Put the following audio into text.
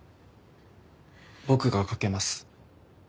僕がかけます。